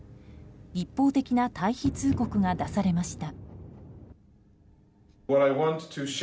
一方的な退避通告が出されました。